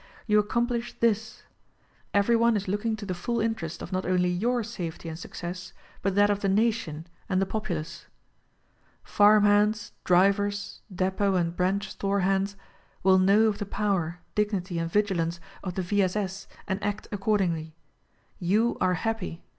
you accom plish, this : Everyone is looking to the full interest of not only your safety and success, but that of the nation and the populace. Farm hands, drivers, depot and branch store hands, v/ill know of the power, dignity and vigilance of the V. S. S. and act accordingly. You, are happy.